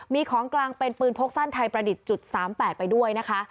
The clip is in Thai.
มีของกลางเป็นปืนพกสั้นไทยประดิษฐ์จุด๓๘ไปด้วยนะคะ